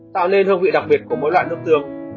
tạo nên hương vị đặc biệt của mỗi loại nước tương